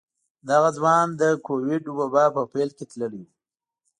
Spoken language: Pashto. دغه ځوان د کوويډ وبا په پيل کې تللی و.